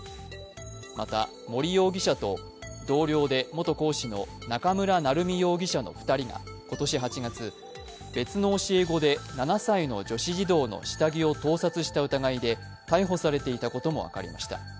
また森容疑者と同僚で元講師の中村成美容疑者の２人が今年８月、別の教え子で７歳の女子児童の下着を盗撮した疑いで逮捕されていたことも分かりました。